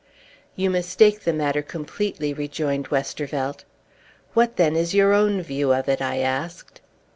"You mistake the matter completely," rejoined Westervelt. "What, then, is your own view of it?" I asked.